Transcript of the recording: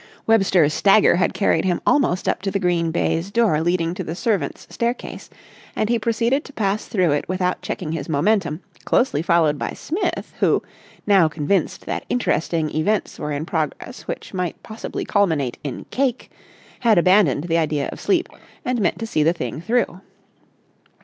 Webster's stagger had carried him almost up to the green baize door leading to the servants' staircase, and he proceeded to pass through it without checking his momentum, closely followed by Smith who, now convinced that interesting events were in progress which might possibly culminate in cake, had abandoned the idea of sleep, and meant to see the thing through.